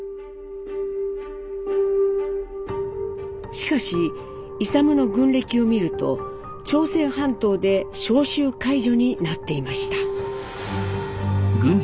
しかし勇の軍歴を見ると朝鮮半島で「召集解除」になっていました。